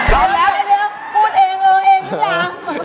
ร้อนแบงค์เดี๋ยวพูดเองอย่า